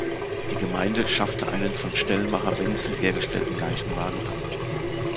Die Gemeinde schaffte einen von Stellmacher Wenzel hergestellten Leichenwagen an.